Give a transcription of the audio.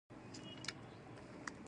کور د هر انسان لپاره هوساینه لري.